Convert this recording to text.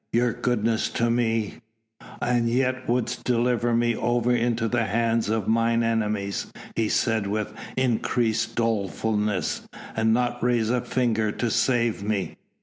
Your goodness to me " "And yet wouldst deliver me over into the hands of mine enemies," he said with increased dolefulness, "and not raise a finger to save me."